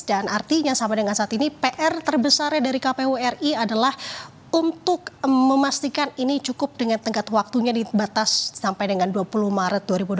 dan artinya sama dengan saat ini pr terbesarnya dari kpu ri adalah untuk memastikan ini cukup dengan tengkat waktunya dibatas sampai dengan dua puluh maret